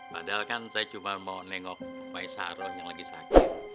padahal kan saya cuma mau nengok maisaron yang lagi sakit